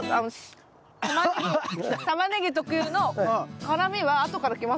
タマネギ特有の辛みはあとからきますけど。